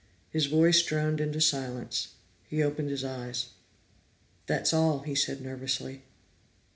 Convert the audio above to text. His voice droned into silence; he opened his eyes. "That all," he said nervously.